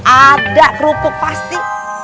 ada kerupuk pasti